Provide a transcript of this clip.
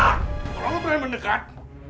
kalau lo berani mendekat